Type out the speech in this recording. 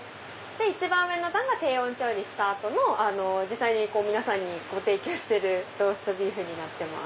一番上の段が低温調理した後の実際に皆さんにご提供してるローストビーフになってます。